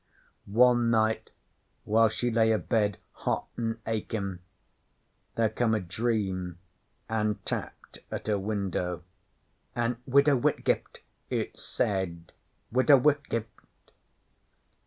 One night, while she lay abed, hot an' achin', there come a Dream an' tapped at her window, an' "Widow Whitgift," it said, "Widow Whitgift!"